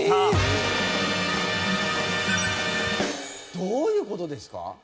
どういう事ですか？